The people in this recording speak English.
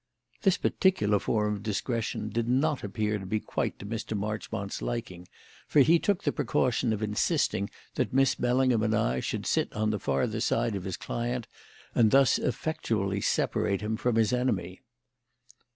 This particular form of discretion did not appear to be quite to Mr. Marchmont's liking, for he took the precaution of insisting that Miss Bellingham and I should sit on the farther side of his client, and thus effectually separate him from his enemy.